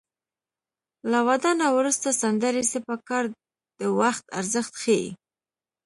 له واده نه وروسته سندرې څه په کار د وخت ارزښت ښيي